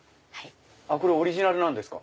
これオリジナルなんですか？